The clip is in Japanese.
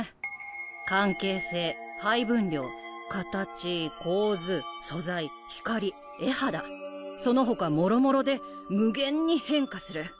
関係性配分量形構図素材光絵肌そのほかもろもろで無限に変化する。